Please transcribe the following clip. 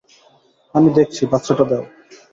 আমি দেখছি, বাচ্চাটা দেও।